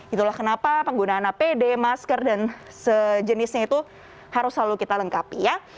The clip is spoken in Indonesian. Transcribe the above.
itulah kenapa penggunaan apd masker dan sejenisnya itu harus selalu kita lengkapi ya